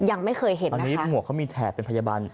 อันนี้หัวเขามีแถบเป็นพยาบาล